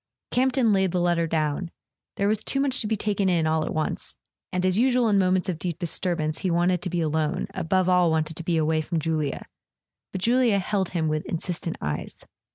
Campton laid the letter down. There was too much to be taken in all at once; and, as usual in moments of deep disturbance, he wanted to be alone, above all wanted to be away from Julia. But Julia held him with insistent eyes.